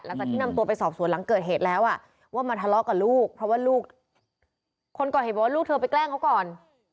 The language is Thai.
นำตัวไปสอบสวนหลังเกิดเหตุแล้วว่ามาทะเลาะกับลูกเพราะว่าลูกคนก่อเหตุบอกว่าลูกเธอไปแกล้งเขาก่อน